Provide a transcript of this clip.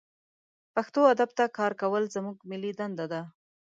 پښتو ادب ته کار کول زمونږ ملي دنده ده